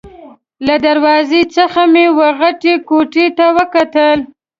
له دروازې څخه مې وه غټې کوټې ته وکتل.